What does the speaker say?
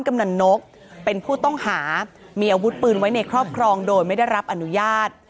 กำลังนกเป็นผู้ต้องหามีอาวุธปืนไว้ในครอบครองโดยไม่ได้รับอนุญาต